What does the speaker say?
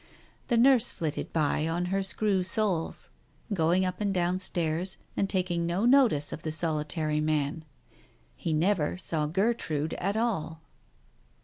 The nurse flitted by on her screw soles, going up and downstairs, and taking no notice of the solitary man. He never saw Gertrude at all.